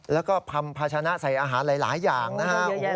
แล้วก็ทำภาชนะใส่อาหารหลายอย่างนะฮะ